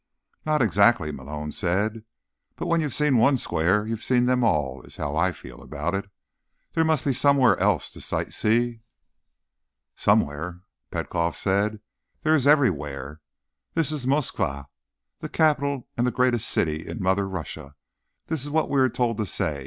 "Not exactly," Malone said. "But when you've seen one Square, you've seen them all, is how I feel about it. There must be somewhere else to sight see." "Somewhere?" Petkoff said. "There is everywhere. This is Moskva, the capital and the greatest city in Mother Russia. That is what we are told to say."